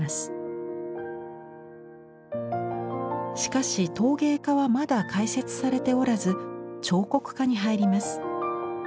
しかし陶芸科はまだ開設されておらず彫刻科に入ります。